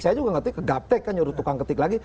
saya juga ngerti ke gaptek kan nyuruh tukang ketik lagi